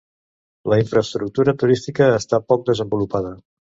La infraestructura turística esta poc desenvolupada.